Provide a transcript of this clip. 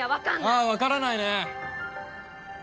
ああわからないね。